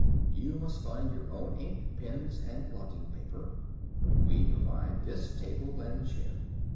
You must find your own ink, pens, and blotting paper, but we provide this table and chair.